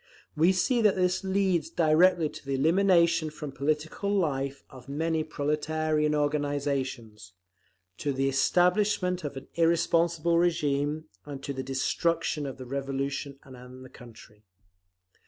We see that this leads directly to the elimination from political life of many proletarian organisations, to the establishment of an irresponsible régime, and to the destruction of the Revolution and the country.